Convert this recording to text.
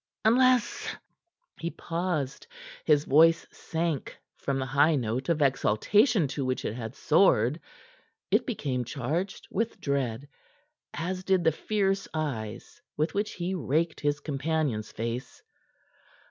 Unless " He paused, his voice sank from the high note of exaltation to which it had soared; it became charged with dread, as did the fierce eyes with which he raked his companion's face.